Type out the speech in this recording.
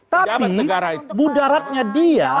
tapi budaratnya dia